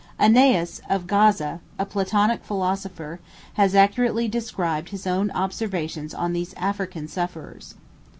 Aeneas of Gaza, a Platonic philosopher, has accurately described his own observations on these African sufferers.